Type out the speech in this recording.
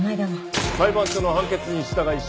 裁判所の判決に従い執行します。